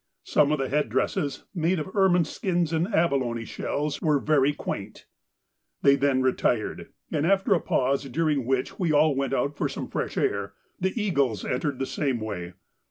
Some of the head dresses, made of ermine skins and abelone shells, were very quaint. They then retired, and, after a pause during which we all went out for some fresh air, the 'Eagles' entered in the same way.